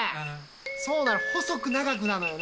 そうなの、細く長くなのよね。